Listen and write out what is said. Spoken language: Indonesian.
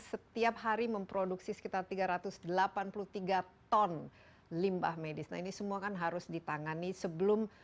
setiap hari memproduksi sekitar tiga ratus delapan puluh tiga ton limbah medis nah ini semua kan harus ditangani sebelum